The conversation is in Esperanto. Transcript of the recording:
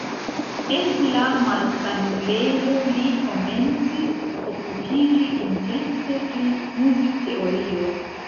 En la malsanulejo li komencis okupiĝi intense pri muzikteorio.